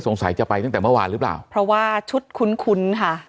จะไปตั้งแต่เมื่อวานหรือเปล่าเพราะว่าชุดคุ้นคุ้นค่ะ